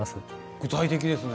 具体的ですね。